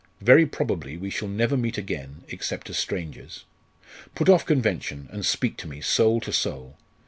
Very probably we shall never meet again, except as strangers. Put off convention, and speak to me, soul to soul!